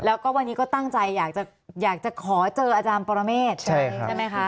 แล้วก็วันนี้ก็ตั้งใจอยากจะขอเจออาจารย์ปรเมฆใช่ไหมคะ